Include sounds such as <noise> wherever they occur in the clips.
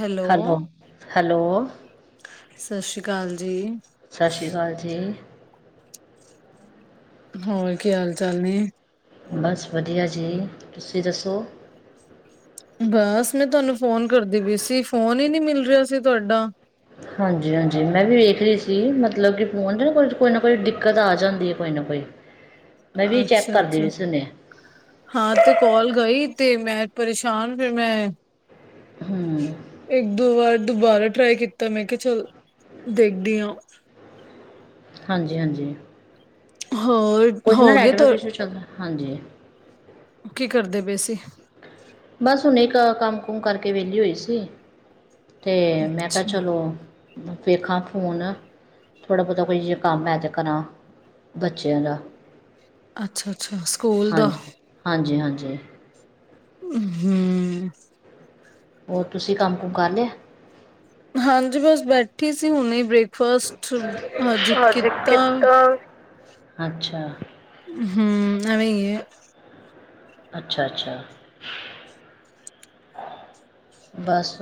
Hello hello ਸਤਿ ਸ਼੍ਰੀ ਅਕਾਲ ਜੀ। ਸਸ਼ੀ ਅਕਾਲ ਜੀ। ਹੋਰ, ਕੀ ਹਾਲ-ਚਾਲ ਨੇ? ਬਸ ਵਧੀਆ ਜੀ ਤੁਸੀਂ ਦੱਸੋ ਬਸ ਮੈਂ ਤੁਹਾਨੂੰ ਫੋਨ ਕਰ ਦੀ ਪੀ ਸੀ, ਫੋਨ ਹੀ ਨਹੀਂ ਮਿਲ ਰਿਹਾ ਸੀ ਤੁਹਾਡਾ ਹਾਂਜੀ ਹਾਂਜੀ, ਮੈਂ ਵੀ ਵੇਖ ਲਿਆ ਸੀ। ਮਤਲਬ ਕੇ ਫੋਨ ਨੂੰ ਕੋਈ ਨਾ ਕੋਈ ਦਿੱਕਤ ਆ ਜਾਂਦੀ ਹੈ ਕੋਈ ਨਾ ਕੋਈ ਮੈਂ ਵੀ ਚੈੱਕ ਕਰਦੀ ਅੱਛਾ-ਅੱਛਾ, ਵੀ ਸੀ ਹੁਣੇ ਹਾਂ, ਤੇ ਕੋਲ ਗਈ ਤੇ ਮੈਂ ਪਰੇਸ਼ਾਨ ਫਿਰ ਮੈਂ ਹੂੰ ਇੱਕ-ਦੋ ਵਾਰ ਦੁਬਾਰਾ ਟ੍ਰਾਈ ਕੀਤਾ ਮੈਂ ਕਿਹਾ ਚੱਲ, ਦੇਖਦੀ ਆਂ। ਹਾਂਜੀ-ਹਾਂਜੀ। ਹੋਰ ਕੁਝ ਨਾ ਹੋ ਗਏ ਤ ਨੈੱਟਵਰਕ ਦੀ ਇਸ਼ੂ ਚੱਲ ਹਾਂਜੀ। ਕੀ ਕਰਦੇ ਪਏ ਸੀ? ਬਸ ਹੁਣ ਇੱਕ ਕੰਮ ਕੁਮ ਕਰਕੇ ਵਿਹਲੀ ਹੋਈ ਸੀ ਤੇ ਮੈਂ ਕਿਹਾ ਅੱਛਾ, ਚਲੋ। ਵੇਖਾਂ ਫੂਨ ਥੋੜਾ ਬੋਤਾ ਕੋਈ ਜੇ ਕੰਮ ਐ ਤੇ ਕਰਾਂ, ਬੱਚਿਆਂ ਦਾ। ਅੱਛਾ-ਅੱਛਾ, ਸਕੂਲ ਦਾ। ਹਾਂਜੀ-ਹਾਂਜੀ। ਹੂੰ ਹੂੰ ਹੋਰ ਤੁਸੀਂ ਕੰਮ ਕੁੰਮ ਕਰ ਲਿਆ। ਹਾਂਜੀ ਬਸ ਬੈਠੀ ਸੀ ਹੁਨੇ ਬ੍ਰੇਕਫਾਸਟ, ਹਾਂਜੀ ਕੀਤਾ। ਅੱਛਾ। ਹੂੰ ਆਵੇਂ। ਅੱਛਾ ਅੱਛਾ। ਬਸ।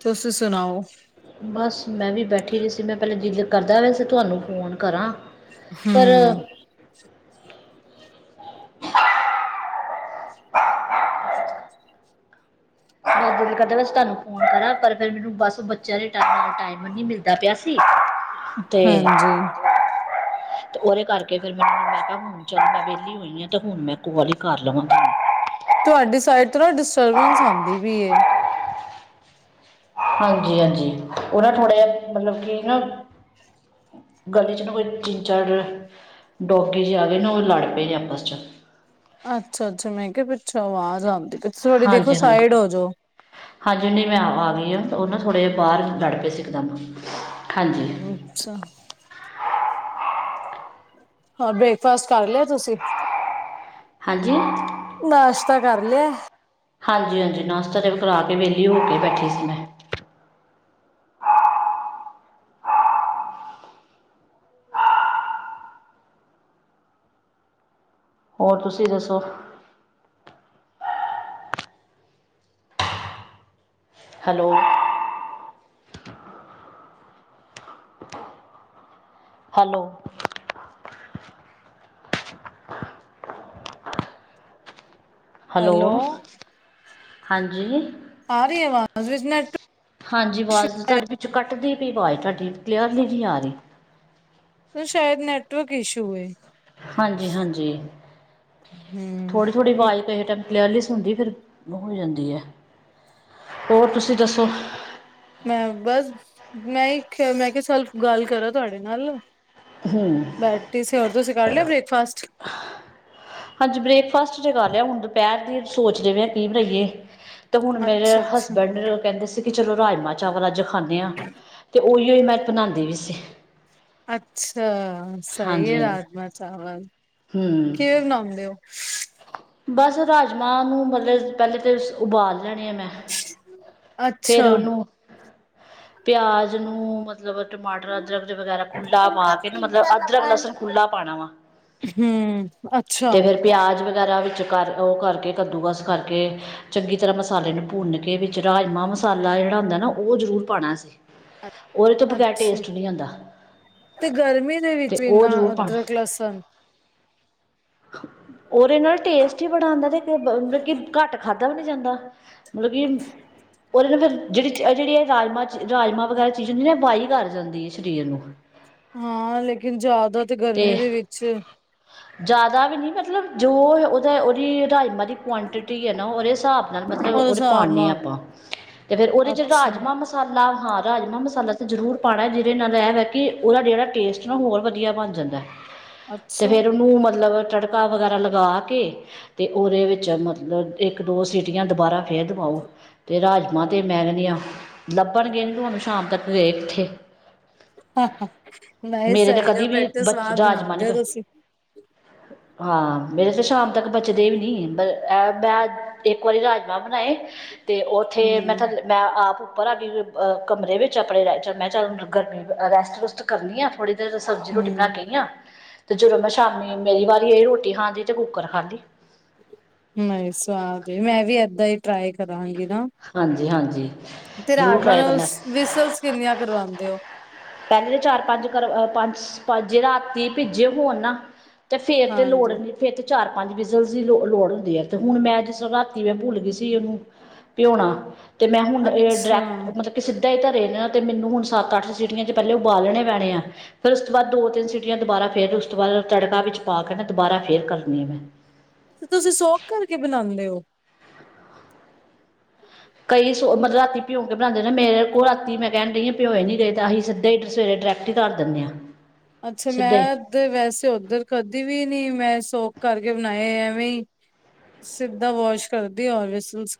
ਤੁਸੀ ਸੁਣਾਓ? ਬਸ ਮੈਂ ਵੀ ਬੈਠੀ ਰਹੀ ਸੀ ਮੈਂ ਪਹਿਲਾਂ ਜ ਕਰਦਾ ਵਇ ਸੀ ਤੁਹਾਨੂੰ ਫੋਨ ਕਰਾਂ ਹੂੰ। ਪਰ ਮੈਂ ਦਿਲ ਕਰਦਾ ਬਸ ਤੁਹਾਨੂੰ ਫੋਨ ਕਰਾਂ ਪਰ ਫਿਰ ਮੈਨੂੰ ਬਸ ਬੱਚਿਆਂ ਦੇ ਟ ਨਾਲ ਟਾਈਮ ਨੀ ਮਿਲਦਾ ਪਿਆ ਸੀ। ਤੇ ਹਾਂਜੀ, ਤੇ ਉਹਦੇ ਕਰਕੇ ਫੇਿਰ ਮੈਨੂੰ ਮੈਂ ਕਿਹਾ ਹੁਣ ਚਲ ਮੈਂ ਵਿਹਲੀ ਹੋਈ ਹਾਂ ਤੇ ਹੁਣ ਮੈਂ ਕੋਲ ਹੀ ਕਰ ਲਵਾਂਗੀ। ਤੁਹਾਡੀ ਸਾਈਡ ਤੋਂ ਨਾ ਡਿਸਟਰਬੈਂਸ ਆਉਂਦੀ ਵੀ ਹਾਂਜੀ-ਹਾਂਜੀ ਉਹ ਨਾ ਥੋੜ੍ਹਾ ਜਿਹਾ ਮਤਲਬ ਕਿ ਨਾ ਗਲੀ'ਚ ਨਾ ਕੋਈ ਤਿੰਨ-ਚਾਰ ਡੋਗੀ ਜੇ ਆ ਗਏ ਨਾ, ਉਹ ਲੜ ਪਏ ਨੇ ਆਪਸ'ਚ। ਅੱਛਾ-ਅੱਛਾ, ਮੈਂ ਕਿਹਾ ਪਿੱਛੋਂ ਆਵਾਜ਼ ਆਂਦੀ ਪਈ। ਥੋੜੀ ਦੇਖੋ ਸਾਈਡ ਹਾਂਜੀ-ਹਾਂਜੀ। ਹੋ ਜੋ। ਹਾਂਜੀਨੀ ਮੈਂ ਆ ਗਈ ਹ ਉਹ ਨਾ ਥੋੜ੍ਹੇ ਜਿਹੇ ਬਾਹਰ ਲੜ ਪਏ ਸੀ ਇੱਕਦਮ ਹਾਂਜੀ। ਅੱਛਾ। ਹਾਂ ਬ੍ਰੇਕਫਾਸਟ ਕਰ ਲਿਆ ਤੁਸੀ। ਹਾਂਜੀ? ਨਾਸ਼ਤਾ ਕਰ ਲਿਆ। ਹਾਂਜੀ-ਹਾਂਜੀ ਨਾਸ਼ਤਾ ਤੇ ਕਰਾ ਕੇ ਵੇਲੀ ਹੋ ਕੇ ਬੈਠੀ ਸੀ ਮੈਂ। ਹੋਰ ਤੁਸੀਂ ਦੱਸੋ ਹੈਲੋ, ਹੈਲੋ? ਹੈਲੋ ਹਾਂਜੀ। ਆ ਰੀ ਆਵਾਜ਼ ਹਾਂਜੀ ਇਸ਼ੂ ਆਵਾਜ਼ ਤੁਹਾਡੇ ਪਿੱਛੋਂ ਕੱਟਦੀ ਪਈ ਆਵਾਜ਼ ਤੁਹਾਡੀ ਕਲੀਅਰਲੀ ਨਹੀਂ ਆ ਰਹੀ। ਸ਼ਾਇਦ ਨੈਟਵਰਕ ਇਸ਼ੂ ਹੈ। ਹਾਂਜੀ ਹਾਂਜੀ ਥੋੜੀ ਥੋੜੀ ਹੂੰ, ਆਵਾਜ਼ ਕਿਸਹੇੇ ਟ ਕਲਿਆਲੀਸ ਹੁੰਦੀ ਫਿਰ ਹੋ ਜਾਂਦੀ ਹੈ ਹੋਰ ਤੁਸੀਂ ਦੱਸੋ? ਮੈਂ ਬਸ ਮੈਂ ਮੈਂ ਕਿਹਾ ਸਲਫ ਗੱਲ ਕਰਾਂ ਤੁਹਾਡੇ ਨਾਲ ਹੂੰ। ਬੈਠੇ ਸੀ ਹੋਰ ਤੁਸੀਂ ਕਰ ਲਿਆ ਬ੍ਰੇਕਫਾਸਟ? ਹਾਂਜੀ ਬ੍ਰੇਕਫਾਸਟ ਜ ਗੱਲ ਆ ਹੁਣ ਦੁਪਹਿਰ ਦੀ ਸੋਚਦੇਵੇ ਆ ਕੀ ਬਣਾਈਏ। ਅਤੇ ਹੁਣ ਮੇਰੇ ਅੱਛਾ-ਅੱਛਾ। ਹਸਬੈਂਡ ਕਹਿੰਦੇ ਸੀ ਕਿ ਚਲੋ ਰਾਜਮਾ ਚਾਵਲ ਅੱਜ ਖਾਂਦੇ ਹਾਂ ਤੇ ਉਹੀਓ ਮੈਂ ਬਣਾਉਂਦੀ ਵੀ ਸੀ। ਅੱਛਾ ਸਹੀ ਹਾਂਜੀ ਹੈ ਹਾਂਜੀ ਰਾਜਮਾ ਚਾਵਲ ਹਮ ਕਿਵੇਂ ਬਣਾਉਂਦੇ ਹੋ? ਬਸ ਰਾਜਮਾਂਹ ਨੂੰ ਮਤਲਬ ਪਹਿਲੇ ਤਾਂ ਉਬਾਲ ਲਿਆਣੇ ਆ ਮੈਂ। ਫੇਰ ਅੱਛਾ। ਉਹਨੂੰ ਪਿਆਜ ਨੂੰ ਮਤਲਬ ਮਤਲਬ ਟਮਾਟਰ ਅਦਰਕ ਵਗੈਰਾ ਖੁੱਲਾ ਪਾ ਠੰਡਾ ਕੇ ਫਰਿੱਜ ਮਤਲਬ ਵਾਲਾ ਅਦਰਕ ਲਸਣ ਪਾਣੀ ਦੇ ਖੁੱਲ੍ਹਲਾ ਪਾਣਾ ਵਾ ਹੂੰ ਅੱਛਾ। ਅਤੇ ਫਿਰ ਪਿਆਜ਼ ਵਗੈਰਾ ਵਿੱਚ ਕਰ ਉਹ ਕਰਕੇ ਕੱਦੂਕਸ ਕਰਕੇ ਚੰਗੀ ਤਰ੍ਹਾਂ ਮਸਾਲੇ ਨੂੰ ਭੁੰਨ ਗੇ ਵਿੱਚ ਰਾਜਮਾ ਮਸਾਲਾ ਜਿਹੜਾ ਹੁੰਦਾ ਨਾ ਉਹ ਜ਼ਰੂਰ ਪਾਉਣਾ ਸੀ। ਉਹਦੇ ਤੋਂ ਬਗੈਰ ਅੱਛਾ ਟੇਸਟ ਨਹੀਂ ਆਂਦਾ। ਤੇ ਗਰਮੀ ਦੇ ਵਿੱਚ ਇੰਨਾ ਜ਼ਰੂਰ ਪਾਉਣਾ ਅਦਰਕ ਲਸਣ ਉਹਰੇ ਇਹ ਨਾਲ ਬਣਾਂਦਾ ਤੇ ਮਤਲਬ ਕਿ ਘੱਟ ਖਾਧਾ ਵੀ ਨੀ ਜਾਂਦਾ ਮਤਲਬ ਕਿ ਉਹਦੇ ਨਾ ਫਿਰ ਜਿਹੜੀ ਚ ਜਿਹੜੀ ਇਹ ਰਾਜਾ ਚ ਰਾਜਮਾਂ ਵਗੈਰਾ ਚੀਜ਼ ਹੁੰਦੀ ਨਾ ਬਾਹੀ ਕਰ ਜਾਂਦੀ ਹੈ ਸਰੀਰ ਨੂੰ। ਹਾਂ ਲੇਕਿਨ ਜ਼ਿਆਦਾ ਤੇ ਗਰਮੀ ਅਤੇ ਦੇ ਵਿੱਚ ਜ਼ਿਆਦਾ ਵੀ ਨੀ ਮਤਲਬ ਜੋ ਉਹਦਾ ਉਹਦੀ ਰਾਜ ਮਾਤ ਜਿਹੜੀ ਕੁਆਂਟਿਟੀ ਆ ਨਾ ਉਹਦੇ ਹਿਸਾਬ ਨਾਲ ਮਤਲਬ ਉਹਦੇ ਹਿਸਾਬ ਪਾਉਦੇ ਹਾਂ ਨਾਲ ਆਪਾ ਤੇ ਫੇਰ ਉਹਦੇ 'ਚ ਅੱਛਾ, ਰਾਜਮਾਹ ਮਸਾਲਾ ਮਸਾਲਾ ਹਾਂ ਰਾਜਮਾਹ ਮਸਾਲਾ ਤਾਂ ਜ਼ਰੂਰ ਪਾਉਣਾ ਜਿਹਦੇ ਨਾਲ ਇਹ ਵ ਕਿ ਉਹਦਾ ਜਿਹੜਾ ਟੇਸਟ ਨਾ ਹੋਰ ਵਧੀਆ ਬਣ ਜਾਂਦਾ ਤੇ ਅੱਛਾ ਫੇਰ ਉਹਨੂੰ ਮਤਲਬ ਤੜਕਾ ਵਗੈਰਾ ਲਗਾ ਕੇ ਤੇ ਉਹਦੇ ਵਿਚ ਮਤਲਬ ਇਕ ਦੋ ਸੀਟੀਆਂ ਦੁਬਾਰਾ ਫੇਰ ਦਵਾਓ ਤੇ ਰਾਜ ਤੇ ਮੈ ਗਦੀਆਂ ਲੱਭਣਗੇ ਨਹੀ ਤੁਹਾਨੂੰ ਸ਼ਾਮ ਤੱਕ ਗਏ ਕਿੱਥੇ <unintelligible> ਨਹੀ ਮੇਰੇ ਤਾਂ ਸਹੀ ਉਹ, ਕਦੀ ਵੀ ਫਿਰ ਬੱਚ ਸਵਾਦ ਰਾਜਮਾਂਹ ਬਣਾਉਦੇ ਨਹੀਂ ਹੋ ਬ ਤੁਸੀ ਹਾਂ ਮੈਂ ਤੇ ਸ਼ਾਮ- ਦੋਂ ਤੱਕ ਬਚਦੇ ਵੀ ਨਹੀ ਪਰ ਮੈ ਇਕ ਵਾਰੀ ਰਾਜਮਾਂਹ ਬਣਾਏ ਤੇ ਉਥੇ ਮੈ ਹੂੰ, ਤੁ- <unintelligible> ਮੈ ਆਪ ਉਪਰ ਆ ਗਈ ਕਮਰੇ ਵਿਚ ਆਪਣੇ, ਮੈ ਚੱਲ ਗਰਮੀ ਰੈਸਟ ਰੂਸਟ ਕਰਨੀ ਥੋੜੀ ਜਦੋ ਸਬਜ਼ੀ ਰੋਟੀ ਬਣਾ ਹੂੰ ਕੇ ਆਈ ਆ, ਤੇ ਜਦੋਂ ਮੈਂ ਸ਼ਾਮੀ ਮੇਰੀ ਵਾਰੀ ਆਈ ਰੋਟੀ ਖਾਣ ਦੀ ਤੇ ਕੁੱਕਰ ਖਾਲੀ <inaudible> ਨਹੀ ਸੁਆਦ, ਮੈਂ ਵੀ ਏਦਾਂ ਹੀ ਟਰਾਈ ਕਰਾਂਗੀ ਨਾ ਹਾਂਜੀ- ਹਾਂਜੀ ਤੇ ਜ਼ਰੂਰ ਰਾਜਮਾਂਹ ਟਰਾਈ ਨੂੰ, ਕਰਨਾ ਵਿਸਲਸ ਕਿੰਨੀਆਂ ਕਰਵਾਉਂਦੇ ਹੋ ਪਹਿਲੇ ਤਾਂ ਚਾਰ- ਪੰਜ ਕਰ ਪੰਜ ਪੰਜੇ ਰਾਤੀ ਭਿੱਜੇ ਹੋਣ ਨਾ ਤੇ ਫਿਰ ਤੇ ਲੋੜ ਹਾਂਜੀ। ਨਹੀਂ ਫਿਰ ਤੇ ਚਾਰ- ਪੰਜ ਵਿਸਲਸ ਦੀ ਲੋ ਲੋੜ ਹੁੰਦੀ ਹੈ ਤੇ ਹੁਣ ਮੈਂ ਜਿਸ ਰਾਤੀ ਮੈਂ ਭੁੱਲ ਗਈ ਸੀ ਇਹਨੂੰ ਭਿਉਣਾ, ਤੇ ਮੈਂ ਹੁਣ ਇਹ ਅੱਛਾ। ਡਾਇਰੈਕਟ ਮਤਲਬ ਕਿ ਸਿੱਧਾ ਹੀ ਧਰੇਹੇ ਨੇ ਨਾ ਤੇ ਮੈਨੂੰ ਹੁਣ ਸੱਤ- ਅੱਠ ਸੀਟੀਆਂ ਤੋਂ ਪਹਿਲੇ ਉਬਾਲਣੇ ਪੈਣੇ ਆ ਫੇਰ ਉਸ ਤੋਂ ਬਾਅਦ ਦੋ ਤਿੰਨ ਸੀਟੀਆਂ ਦੁਬਾਰਾ ਫੇਰ ਉਸ ਤੋਂ ਬਾਅਦ ਤੜਕਾ ਵਿੱਚ ਪਾ ਕੇ ਨਾ ਦੁਬਾਰਾ ਫੇਰ ਕਰਨੀ ਆ ਮੈਂ ਤੇ ਤੁਸੀਂ ਸੋਕ ਕਰਕੇ ਬਣਾਉਂਦੇ ਹੋ ਕਈ ਸੋ ਮਤਲਬ ਰਾਤੀ ਪਿਉਂ ਕੇ ਬਣਾਉਦੇ ਨੇ ਮੇਰੇ ਕੋਲ ਰਾਤੀ ਕਹਿਣ ਦੇਈ ਈ ਭਿਉਂ ਨਹੀਂ ਗਏ ਤੇ ਅਸੀਂ ਸਿੱਧੇ ਸਵੇਰੇ ਡਰੈਕਟ ਰਟੀ ਕਰ ਦਿੰਦੇ ਹਾਂ ਅਛਾ ਮੈ ਸਿੱਧਾ ਹੀ ਤੇ ਵੈਸੇ ਉਧਰ ਕਦੀ ਵੀ ਨੀ ਮੈ ਸੋਕ ਕਰਕੇ ਬਣਾਏ ਐਵੇ ਸਿੱਧਾ ਵਾਸ ਕਰਦੀ ਵਿਸਲਸ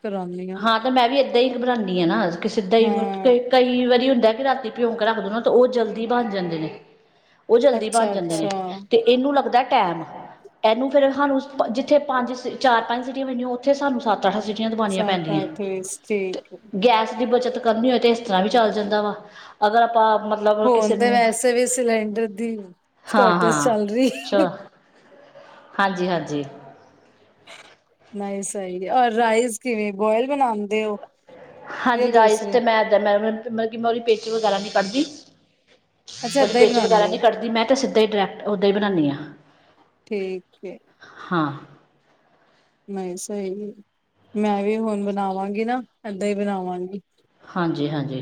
ਹਾਂ ਤਾਂ ਮੈਂ ਵੀ ਏਦਾਂ ਹੀ ਬਣਾਉਦੀ ਹਾਂ ਨਾ, ਕਿ ਸਿੱਧਾਂ ਹੀ ਹਾਂ ਮਤਲਬ ਕਈ ਵਾਰੀ ਹੁੰਦਾ ਕਿ ਰਾਤੀ ਭਿਉਕੇ ਰੱਖ ਦੇ ਨਾ, ਤਾਂ ਉਹ ਜਲਦੀ ਬਣ ਜਾਂਦੇ ਨੇ ਉਹ ਜਲਦੀ ਬਣ ਅੱਛਾ ਜਾਂਦੇ ਨੇ, ਅੱਛਾ ਤੇ ਇਹਨੂੰ ਲੱਗਦਾ ਟਾਈਮ ਇਹਨੂੰ ਫੇਰ ਹਾਨੂੰ ਜਿਥੇ ਪੰਜ, ਚਾਰ -ਪੰਜ ਸੀਟੀਆਂ ਵਜਨੀਆ ਉਥੇ ਸਾਨੂੰ ਸੱਤ -ਅੱਠ ਸੀਟੀਆਂ ਦਵਾਉਣੀਆਂ ਏਹ ਪੈਂਦੀਆਂ ਟੇਸਟ ਤੇ ਠੀਕ ਗੈਸ ਦੀ ਬੱਚਤ ਕਰਨੀ ਹੋਏ ਤਾਂ ਇਸ ਤਰ੍ਹਾਂ ਵੀ ਚਲ ਜਾਂਦਾ ਵਾ, ਅਗਰ ਆਪਾਂ ਮਤਲਬ ਕਿਸੇ ਹੁਣ ਤੇ ਨੂੰ, ਵੈਸੇ ਵੀ ਸਿਲੰਡਰ ਦੀ ਹਾਂ- ਸ਼ੋਰਟੇਜ ਹਾਂ ਚੱਲ ਰਹੀ ਹੈ। 'ਚ- ਹਾਂਜੀ- ਹਾਂਜੀ- ਨਹੀ ਸਹੀ, ਔਰ ਰਾਈਸ ਕਿਵੇ ਬੋਇਲ ਬਣਾਉਦੇ ਹੋ- ਜਾਂ ਹਾਂਜੀ ਰਾਈਸ ਦੂਸਰੇ ਤੇ ਮੈ ਇਕਦਮ ਮਤਲਬ ਕਿ ਮੈ ਉਹਦੀ ਪੀਛ ਵਗੈਰਾ ਨੀ ਕੱਢਦੀ ਅੱਛਾ ਉਹਦੇ ਏਦਾਂ ਹੀ ਪੀਛ ਵਗੈਰਾ ਬਣਾਉਂਦੇ ਨਹੀ ਹੋ ਕੱਢਦੀ ਮੈ ਤਾਂ ਸਿੱਧਾ ਹੀ ਡਾਇਰੈਕਟ ਓਹਦਾਂ ਹੀ ਬਣਾਉਦੀ ਹਾਂ ਠੀਕ ਹੈ ਹਾਂ- ਨਹੀ ਸਹੀ, ਮੈ ਵੀ ਹੁਣ ਬਣਾਵਾਂਗੀ ਨਾ, ਏਦਾਂ ਹੀ ਬਣਾਵਾਂਗੀ ਹਾਂਜੀ- ਹਾਂਜੀ,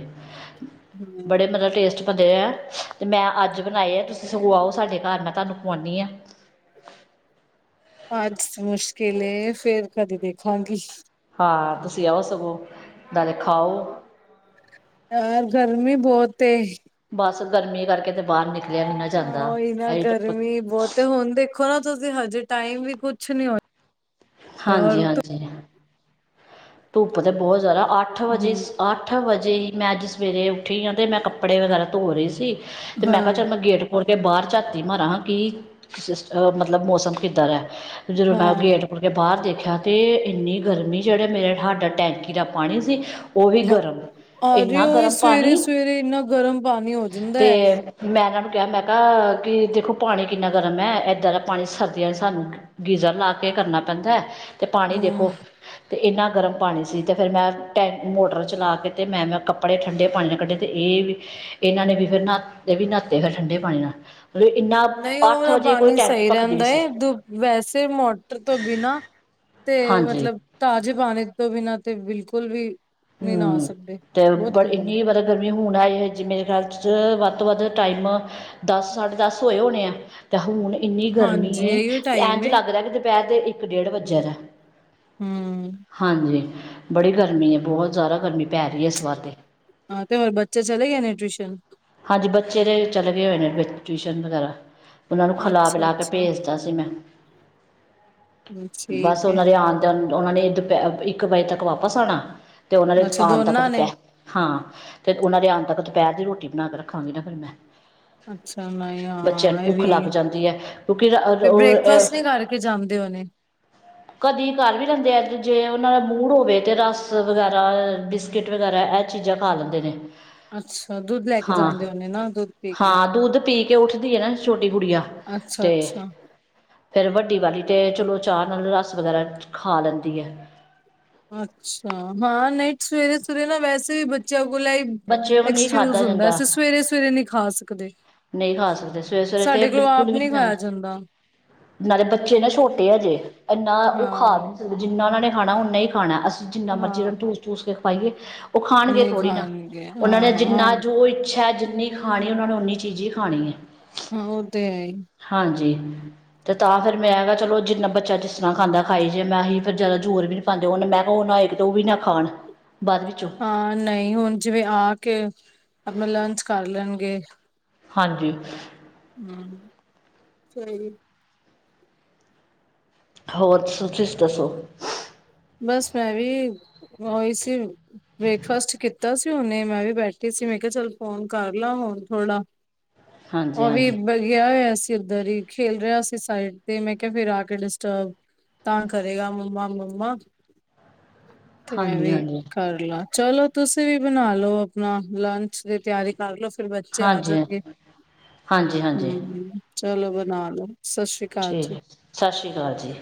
ਹਮ ਬੜੇ ਮਤਲਬ ਟੇਸਟ ਦੇ ਤੇ, ਮੈ ਅੱਜ ਬਣਾਏ ਹੈ। ਤੁਸੀ ਆਓ ਸਾਡੇ ਘਰ, ਮੈ ਤੁਹਾਨੂੰ ਖਵਾਉਦੀ ਹਾਂ ਅਜ ਮੁਸ਼ਕਿਲ ਫੇਰ ਕਦੇ ਦੇਖਾਂਗੀ। ਹਾਂ ਤੁਸੀ ਆਓ ਸਗੋ, ਨਾਲੇ ਖਾਓ- ਯਾਰ ਗਰਮੀ ਬਹੁਤ ਬਸ ਗਰਮੀ ਕਰਕੇ ਤੇ ਬਾਹਰ ਨ ਆਹੋ ਇਹ ਨਾ ਗਰਮੀ ਬਹੁਤੇ ਹੁਣ ਦੇਖੋ ਨਾ ਤੁਸੀ ਹਜੇ ਟਾਈਮ ਵੀ ਕੁਛ ਨੀ ਹੋਇਆ ਹਾਂਜੀ- ਔਰ ਤੋ ਹਾਂਜੀ- ਧੁੱਪ ਤਾਂ ਬਹੁਤ ਜ਼ਿਆਦਾ ਅੱਠ ਵਜੇ ਹਮ ਅੱਠ ਵਜੇ ਹੀ ਮੈਂ ਅੱਜ ਸਵੇਰੇ ਉੱਠੀ ਹਾਂ ਤੇ ਮੈਂ ਕੱਪੜੇ ਵਗੈਰਾ ਧੋ ਰਹੀ ਸੀ। ਤੇ ਮੈਂ ਕਿਹਾ ਹਾਂ ਚੱਲ ਮੈਂ ਗੇਟ। ਮੁੜ ਕੇ ਬਾਹਰ ਝਾਤੀ ਮਾਰਾ, ਕੀ ਸਿਸਟਮ ਮਤਲਬ ਮੌਸਮ ਕਿੱਧਰਹੈ ਜਦੋਂ ਮੈਂ ਉਹ ਹਾਂ ਗੇਟ। ਮੁੜ ਕੇ ਬਾਹਰ ਦੇਖਿਆ, ਤੇ ਇੰਨੀ ਗਰਮੀ ਜਿਹੜੇ ਮੇਰੇ ਸਾਡਾ ਟੈਂਕੀ ਦਾ ਪਾਣੀ ਸੀ। ਉਹ ਵੀ ਹਾਂ ਗਰਮ ਅਰੇ ਇੰਨਾ ਉਹੀ ਗਰਮ ਸਵੇਰੇ ਪਾਣੀ ਸਵੇਰੇ ਇੰਨਾ ਗਰਮ ਪਾਣੀ ਹੋ ਜਾਂਦਾ ਤੇ ਹੈ ਮੈਂ ਇਹਨਾਂ ਨੂੰ ਕਿਹਾ ਮੈਂ ਕਿਹਾ ਕਿ ਦੇਖੋ ਪਾਣੀ ਕਿੰਨਾ ਗਰਮ ਹੈ ਇੱਦਾਂ ਹੈ ਪਾਣੀ ਸਰਦੀਆਂ ਨੇ ਸਾਨੂੰ ਗੀਜ਼ਰ ਲਾ ਕੇ ਕਰਨਾ ਪੈਂਦਾ ਤੇ ਪਾਣੀ ਦੇਖੋ ਹਮ ਤੇ ਇਹਨਾਂ ਗਰਮ ਪਾਣੀ ਸੀ ਅਤੇ ਫਿਰ ਮੈਂ ਟੈਂ ਮੋਟਰ ਚਲਾ ਕੇ ਅਤੇ ਮੈਂ-ਮੈਂ ਕੱਪੜੇ ਠੰਡੇ ਪਾਣੀ ਨਾਲ ਕੱਢੇ ਅਤੇ ਇਹ ਵੀ ਇਹਨਾਂ ਨੇ ਵੀ ਫਿਰ ਨਤੇ ਵੀ ਨਾਤੇ ਫਿਰ ਠੰਡੇ ਪਾਣੀ ਨਾਲ ਮਤਲਬ ਇੰਨਾ ਨਹੀਂ ਉਹ ਅੱਠ ਵਾਲਾ ਵਜੇ ਕੋਈ ਪਾਣੀ ਟੈਂਕੀ ਸਹੀ ਭਖਦੀ ਵੀ ਰਹਿੰਦਾ ਸੀ ਏ ਦ ਵੈਸੇ ਮੋਟਰ ਤੋਂ ਬਿਨਾਂ ਤੇ ਹਾਂਜੀ ਮਤਲਬ ਤਾਜ਼ੇ ਪਾਣੀ ਤੋਂ ਬਿਨਾਂ ਤੇ ਬਿਲਕੁਲ ਵੀ ਨਹੀਂ ਨਹਾ ਹੂੰ ਸਕਦੇ ਤੇ ਬਹੁਤ ਗਰਮੀ <unintelligible> ਗਰਮੀ ਹੁਣ ਆਏ ਹੈ ਜੀ ਮੇਰੇ ਖਿਆਲ 'ਚ ਵੱਧ ਤੋਂ ਵੱਧ ਟਾਈਮ ਦਸ ਸਾਡੇ ਦਸ ਹੋਏ ਹੋਣੇ ਆ ਤੇ ਹੁਣ ਇੰਨੀ ਹਾਂਜੀ ਗਰਮੀ ਇਹੀਓ ਟਾਈਮ ਐਂਝ ਏ ਲੱਗਦਾ ਕਿ ਦੁਪਹਿਰ ਦੇ ਇਕ ਡੇਢ ਵੱਜਿਆ ਦਾ ਹੂੰ ਹਾਂਜੀ ਬੜੀ ਗਰਮੀ ਹੈ ਬਹੁਤ ਜ਼ਿਆਦਾ ਗਰਮੀ ਪੈ ਰਹੀ ਹੈ ਇਸ ਵਾਰ ਤੇ ਹਾਂ ਤੇ ਹੋਰ ਬੱਚੇ ਚਲੇ ਗਏ ਨੇ ਟਿਊਸ਼ਨ ਹਾਂਜੀ ਬੱਚੇ ਤੇ ਚਲੇ ਗਏ ਹੋਏ ਨੇ ਟਿਊਸ਼ਨ ਵਗੈਰਾ ਉਹਨਾਂ ਨੂੰ ਖਿਲਾ ਅੱਛਾ ਪਿਲਾ ਕੇ ਅੱਛਾ ਭੇਜ ਕੀਤਾ ਸੀ ਮੈ ਬਸ ਠੀਕ ਹੈ ਉਹਨਾ ਦੇ ਆਣ ਉਹਨਾਂ ਨੇ ਦੁਪਹਿ ਇਕ ਵਜੇ ਤੱਕ ਵਾਪਸ ਆਂਣਾ ਤੇ ਉਹਨਾਂ ਨੇ ਅੱਛਾ ਆਣ ਤੱਕ ਦੋਨਾਂ ਨੇ ਦੁਪਹਿਰ ਹਾਂ ਤੇ ਉਹਨਾਂ ਦੇ ਆਣ ਤੱਕ ਦੁਪਹਿਰ ਦੀ ਰੋਟੀ ਬਣਾ ਕੇ ਰੱਖਾਂਗੀ ਨਾ ਫਿਰ ਮੈ ਅੱਛਾ ਨਹੀਂ ਬੱਚਿਆਂ ਨੂੰ ਹਾਂ ਇਹ ਭੁੱਖ ਵੀ ਲੱਗ ਜਾਂਦੀ ਹੈ ਕਿਉਕਿ ਤੇ ਉਹ ਬ੍ਰੇਕਫਾਸਟ ਨੀ ਅ ਕਰਕੇ ਜਾਂਦੇ ਹੋਣੇ ਕਦੀ ਕਰ ਵੀ ਲੈਂਦੇ ਆ ਜੇ ਉਹਨਾਂ ਦਾ ਮੂੜ ਹੋਵੇ ਤੇ ਰਸ ਵਗੈਰਾ ਬਿਸ ਕਿਟ ਵਗੈਰਾ ਇਹ ਚੀਜ਼ਾਂ ਖਾ ਲੈਂਦੇ ਨੇ। ਅੱਛਾ ਦੁੱਧ ਲੈ ਕੇ ਹਾਂ ਜਾਂਦੇ ਹੋਨੇ ਨਾ ਦੁੱਧ ਪੀ ਕੇ ਹਾਂ ਦੁੱਧ ਪੀ ਕੇ ਉੱਠਦੀ ਹੈ ਨਾ ਛੋਟੀ ਗੁੜੀਆ ਅੱਛਾ-ਅੱਛਾ ਫਿਰ ਵੱਡੀ ਵਾਲੀ ਤੇ ਚਲੋ ਚਾਹ ਨਾਲ ਰਸ ਵਗੈਰਾ ਖਾ ਲੈਂਦੀ ਹੈ। ਅੱਛਾ ਹਾਂ ਨਹੀ ਸਵੇਰੇ-ਸਵੇਰੇ ਨਾ ਵੈਸੇ ਵੀ ਬੱਚਿਆਂ ਕੋਲ ਐਈ। ਬੱਚੇ ਉਹ ਨਹੀਂ ਐਕਸਕਿਊਜ ਖਾਧਾ ਹੁੰਦਾ ਜਾਂਦਾ ਅਸੀਂ ਸਵੇਰੇ-ਸਵੇਰੇ ਨਹੀਂ ਖਾ ਸਕਦੇ। ਨਹੀਂ ਖਾ ਸਕਦੇ ਸਵੇਰੇ-ਸਵੇਰੇ ਤੇ ਸਾਡੇ ਇਹ ਕੋਲੋਂ ਬਿਲਕੁਲ ਆਪ ਵੀ ਨਹੀਂ ਜਾਂਦ ਖਾਇਆ ਜਾਂਦਾ ਨਾਲੇ ਬੱਚੇ ਨਾ ਛੋਟੇ ਹਜੇ ਇੰਨਾ ਉਹ ਖਾ ਹਾਂ ਵੀ ਜਿੰਨਾ ਉਹਨਾਂ ਨੇ ਖਾਣਾ ਉਨਾ ਹੀ ਖਾਣਾ ਅਸੀਂ ਜਿੰਨਾ ਮਰਜ਼ੀ ਉਹਨਾਂ ਹਾਂ ਨੂੰ ਟੂਸ-ਟੂਸ ਕੇ ਖਵਾਈਏ। ਉਹ ਖਾਣਗੇ ਨਹੀਂ ਥੋੜ੍ਹੀ ਨਾ। ਖਾਣਗੇ ਉਹਨਾਂ ਨੇ ਜਿੰਨਾ ਹਾਂ ਜੋ ਇੱਛਾ ਹੈ ਜਿੰਨੀ ਖਾਣੀ ਉਹਨਾਂ ਨੇ ਉਨੀ ਚੀਜ਼ ਹੀ ਖਾਣੀ ਹੈ। ਹਾਂ ਉਹ ਤੇ ਹੈ ਈ। ਹਾਂਜੀ ਅਤੇ ਤਾਂ ਫਿਰ ਮੈਂ ਕਿਆ ਚਲੋ ਜਿੰਨਾ ਬੱਚਾ ਜਿਸ ਤਰ੍ਹਾਂ ਖਾਂਦਾ ਖਾਈ ਜੇ ਮੈਂ ਹੀ ਫਿਰ ਜ਼ਿਆਦਾ ਜ਼ੋਰ ਵੀ ਨਹੀਂ ਪਾਂਦੇ ਉਹਨੇ ਮੈਂ ਕਿਹਾ ਉਹ ਨਾ ਏ ਕਿਤੇ ਉਹ ਵੀ ਨਾ ਖਾਣ ਬਾਅਦ ਵਿੱਚੋਂ ਹਾਂ ਨਹੀਂ ਹੁਣ ਜਿਵੇਂ ਆ ਕੇ ਅਪਣਾ ਲੰਚ ਕਰ ਲੈਣਗੇ। ਹਾਂਜੀ ਹੂੰ ਸਹੀ ਹੈ। ਹੋਰ ਤੁਸੀ ਦਸੋ। ਬਸ ਮੈਂ ਵੀ <unintelligible> ਬ੍ਰੇਕਫਾਸਟ ਕੀਤਾ ਸੀ ਉਹਨੇ ਮੈਂ ਵੀ ਬੈਠੀ ਸੀ ਮੈਂ ਕਿਹਾ ਚੱਲ ਫੋਨ ਕਰ ਲਾ ਹੁਣ ਥੋੜ੍ਹਾ ਹਾਂਜੀ ਉਹ ਵੀ ਹਾਂਜੀ ਗਿਆ ਹੋਇਆ ਸੀ ਉਧਰ ਹੀ ਖੇਲ ਰਿਹਾ ਸੀ ਸਾਈਡ ਤੇ ਮੈਂ ਕਿਹਾ ਫਿਰ ਆ ਕੇ ਡਿਸਟਰਬ ਤਾਂ ਕਰੇਗਾ ਮੰਮਾ-ਮੰਮਾ ਤੇ ਮੈਂ ਹਾਂਜੀ ਵੀ ਹਾਂਜੀ ਕਰ ਲਾਂ। ਚਲੋ ਤੁਸੀਂ ਵੀ ਬਣਾ ਲੋ ਆਪਣਾ ਲੰਚ ਇਸ ਲਈ ਤਿਆਰੀ ਕਰਲੋ ਫਿਰ ਬੱਚੇ ਆ ਹਾਂਜੀ ਜਾਣਗੇ ਹਾਂਜੀ ਹਾਂਜੀ ਹੂੰ-ਹੂੰ। ਚਲੋ ਬਣਾ ਲੋ ਸਤਿ ਸ਼੍ਰੀ ਅਕਾਲ। ਜੀ ਠੀਕ ਹੈ ਸਤਿ ਸ਼੍ਰੀ ਅਕਾਲ ਜੀ।